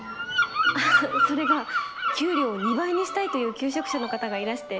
ははっそれが給料を２倍にしたいという求職者の方がいらして。